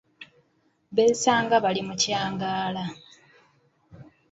Beesanga bali mu kyangaala.